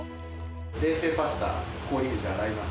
冷製パスタ、氷水で洗います。